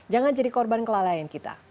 jangan jadi korban kelalaian kita